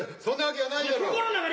そんなわけはないだろ。